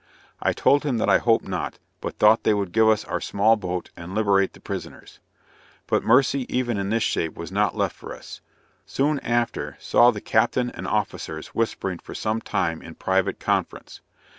I told him that I hoped not, but thought they would give us our small boat and liberate the prisoners. But mercy even in this shape was not left for us. Soon after, saw the captain and officers whispering for some time in private conference.